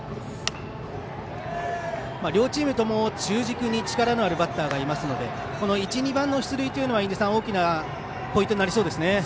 両チームとも中軸に力のあるバッターがいますのでこの１、２番の出塁というのは印出さん大きなポイントになりそうですね。